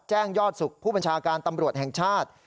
แจ้งยอดสุขผู้บัญชาการตำรวจแห่งชาติ